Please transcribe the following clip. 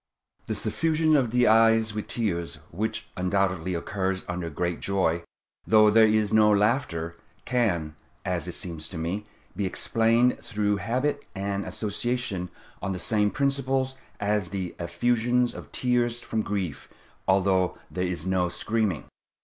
The suffusion of the eyes with tears, which undoubtedly occurs under great joy, though there is no laughter, can, as it seems to me, be explained through habit and association on the same principles as the effusion of tears from grief, although there is no screaming.